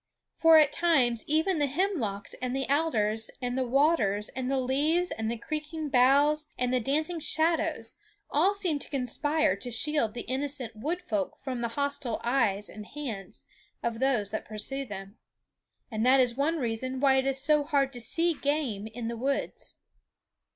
For at times even the hemlocks and the alders and the waters and the leaves and the creaking boughs and the dancing shadows all seem to conspire to shield the innocent Wood Folk from the hostile eyes and hands of those that pursue them. And that is one reason why it is so hard to see game in the woods.